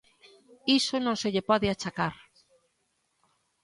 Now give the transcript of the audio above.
Iso non se lle pode achacar.